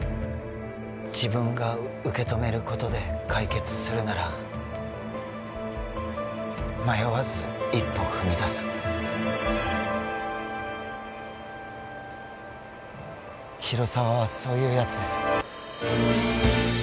自分が受け止めることで解決するなら迷わず一歩踏み出す広沢はそういうやつです